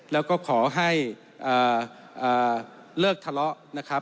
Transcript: แล้วก็ขอให้เลิกทะเลาะ